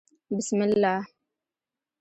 بسم الله